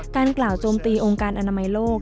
การกล่าวโจมตีองค์การอนามัยโลก